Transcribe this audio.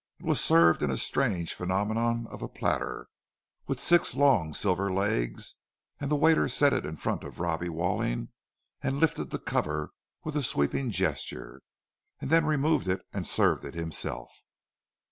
It was served in a strange phenomenon of a platter, with six long, silver legs; and the waiter set it in front of Robbie Walling and lifted the cover with a sweeping gesture—and then removed it and served it himself.